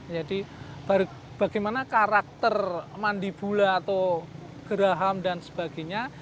jadi bagaimana karakter mandibula atau geraham dan sebagainya